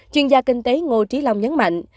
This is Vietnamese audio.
chuyên gia kinh tế ngô trí long nhấn mạnh